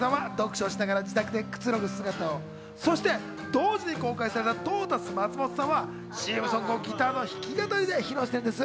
動画の中で広末さんは読書しながら自宅でくつろぐ姿をそして同時に公開されたトータス松本さんはＣＭソングをギターの弾き語りで披露しています。